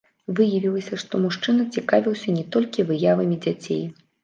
Выявілася, што мужчына цікавіўся не толькі выявамі дзяцей.